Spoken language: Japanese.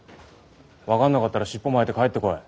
分かんなかったら尻尾巻いて帰ってこい。